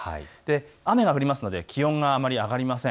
雨が降りますので気温があまり上がりません。